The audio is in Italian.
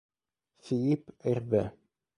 Philippe Hervé